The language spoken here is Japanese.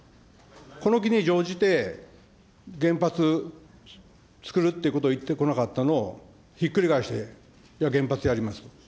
この機に乗じて、原発つくるっていうことを言ってこなかったのをひっくり返して、じゃあ原発やりますと。